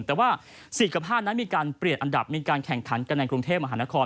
แต่ว่า๔กภาพนั้นมีการเปลี่ยนอันดับมีการแข่งขันกันในกรุงเทพมหานคร